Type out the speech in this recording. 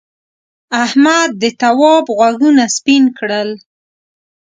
احمد د تواب غوږونه سپین کړل.